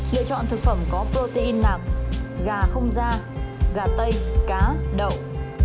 lựa chọn thực phẩm có protein nạp gà không da gà tây cá đậu